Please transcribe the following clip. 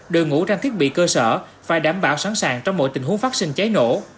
đội ngũ trang thiết bị cơ sở phải đảm bảo sẵn sàng trong mọi tình huống phát sinh cháy nổ